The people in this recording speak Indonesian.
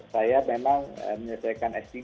saya memang menyesuaikan s tiga